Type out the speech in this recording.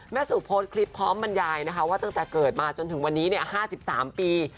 สู่โพสต์คลิปพร้อมบรรยายนะคะว่าตั้งแต่เกิดมาจนถึงวันนี้๕๓ปี